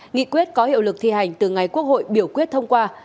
nghị quyết có hiệu lực thi hành từ ngày quốc hội biểu quyết thông qua